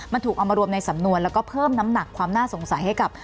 มันถูกเอามารวมในสำนวนแล้วก็เพิ่มน้ำหนักความน่าสงสัยให้กับ